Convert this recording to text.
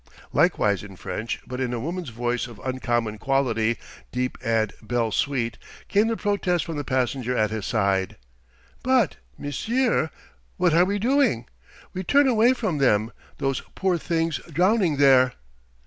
Likewise in French, but in a woman's voice of uncommon quality, deep and bell sweet, came the protest from the passenger at his side: "But, monsieur, what are we doing? We turn away from them those poor things drowning there!"